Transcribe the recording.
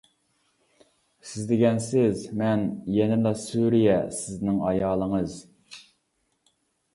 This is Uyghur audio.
سىز دېگەن سىز، مەن يەنىلا سۈرىيە، سىزنىڭ ئايالىڭىز.